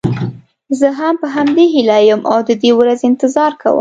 زه هم په همدې هیله یم او د دې ورځې انتظار کوم.